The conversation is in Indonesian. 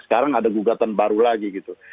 sekarang ada gugatan baru lagi gitu